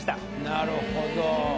なるほど。